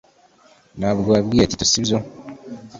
Ntabwo wabwiye Tito sibyo